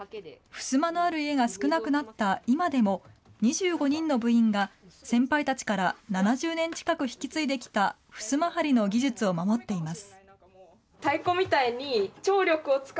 ふすまのある家が少なくなった今でも、２５人の部員が先輩たちから７０年近く引き継いできたふすま張りの技術を守っています。